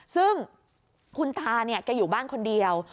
ซึ่งคุณตาอยู่บ้านคนเดียว